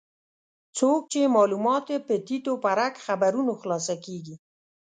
څوک چې معلومات یې په تیت و پرک خبرونو خلاصه کېږي.